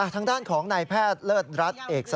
ทางด้านของนายแพทย์เลิศรักดีมากนะครับ